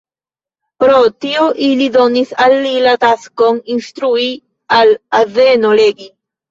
Pro tio ili donis al li la taskon instrui al azeno legi.